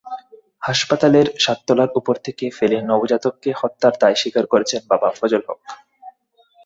হাসপাতালের সাততলার ওপর থেকে ফেলে নবজাতককে হত্যার দায় স্বীকার করেছেন বাবা ফজল হক।